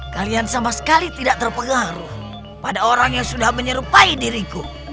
kalian sama sekali tidak terpengaruh pada orang yang sudah menyerupai diriku